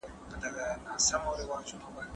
خوب راوړونکي درمل ولي خطرناک دي؟